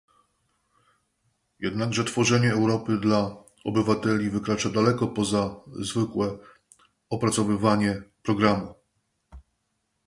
Jednakże tworzenie Europy dla obywateli wykracza daleko poza zwykłe opracowywanie programu